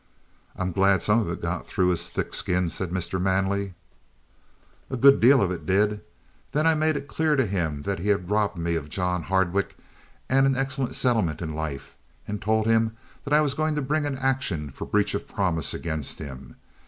"I'm glad some of it got through his thick skin," said Mr. Manley. "A good deal of it did. Then I made it clear to him that he had robbed me of John Hardwicke and an excellent settlement in life, and told him that I was going to bring an action for breach of promise against him.